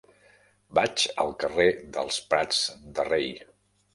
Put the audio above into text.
Vaig al carrer dels Prats de Rei.